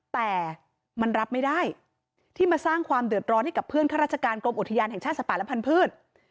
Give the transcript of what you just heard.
แต่มันรับไม่ได้ที่มาสร้างความเดือดร้อนให้กับเพื่อนข้าราชการกรมอุทยานแห่งชาติสัตว์ป่าและพันธุ์